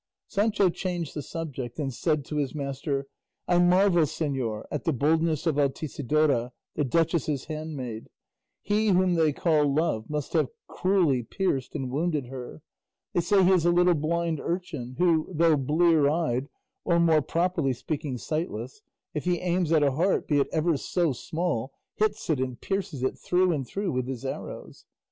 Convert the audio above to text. Sancho changed the subject, and said to his master, "I marvel, señor, at the boldness of Altisidora, the duchess's handmaid; he whom they call Love must have cruelly pierced and wounded her; they say he is a little blind urchin who, though blear eyed, or more properly speaking sightless, if he aims at a heart, be it ever so small, hits it and pierces it through and through with his arrows.